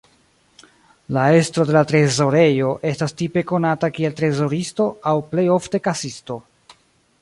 La estro de trezorejo estas tipe konata kiel trezoristo aŭ plej ofte kasisto.